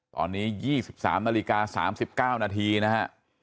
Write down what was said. ตอนนี้๒๓นาฬิกา๓๙นาทีนะฮะ